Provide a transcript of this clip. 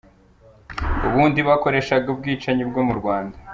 Ubundi bakoreshaga "ubwicanyi" bwo mu Rwanda.